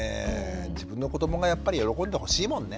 自分の子どもがやっぱり喜んでほしいもんね。